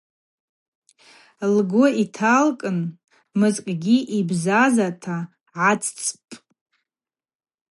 Лгвы йталкӏын мызкӏгьи йбзазата гӏацӏцӏпӏ.